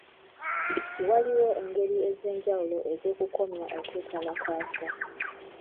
Waliwo engeri ez'enjawulo ez'okukomya okwekalakaasa.